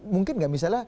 mungkin gak misalnya